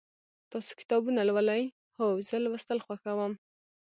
تاسو کتابونه لولئ؟ هو، زه لوستل خوښوم